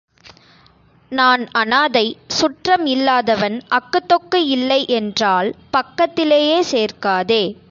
நான் அநாதை சுற்றம் இல்லாதவன் அக்குதொக்கு இல்லை என்றால் பக்கத்திலேயே சேர்க்காதே.